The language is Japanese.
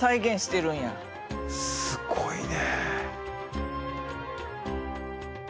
すごいね。